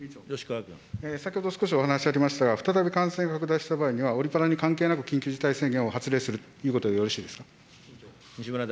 先ほど少しお話ありましたが、再び感染拡大した場合には、オリパラに関係なく緊急事態宣言を発令するということでよろしいですか。